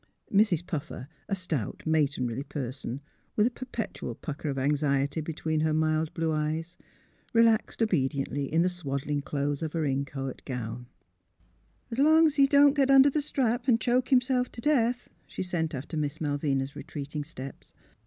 Mrs. Puffer, a stout matronly person, with a perpetual pucker of anxiety between her mild blue eyes, relaxed obediently in the swaddling folds of her inchoate go^\Ti. " As long's he don't get under the strap an' choke himself to death," she sent after Miss Malvina's retreating steps.